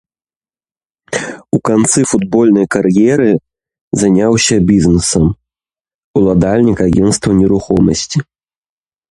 У канцы футбольнай кар'еры заняўся бізнесам, уладальнік агенцтва нерухомасці.